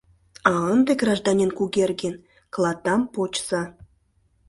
А ынде, гражданин Кугергин, клатдам почса.